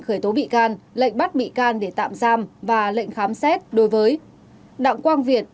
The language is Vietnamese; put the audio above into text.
khởi tố bị can lệnh bắt bị can để tạm giam và lệnh khám xét đối với đặng quang việt